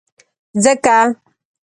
ځکه،